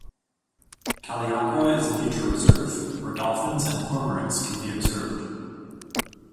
Kaliakra is a nature reserve, where dolphins and cormorants can be observed.